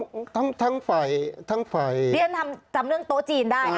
ก็ร้องทั้งฝ่ายทั้งฝ่ายเดี๋ยวจำเอาเรื่องโต๊ะจีนได้ค่ะ